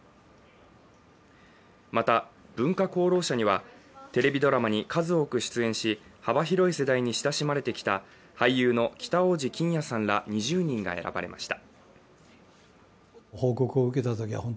また、文化功労者には、テレビドラマに数多く出演し幅広い世代に親しまれてきた俳優の北大路欣也さんら２０人が選ばれました。